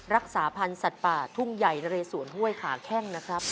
รักษาพันธุ์สัตว์ป่าทุ่งใหญ่นะเรสวนห้วยขาแข้งนะครับ